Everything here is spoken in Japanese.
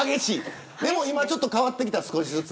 でも、今ちょっと変わってきた少しずつ。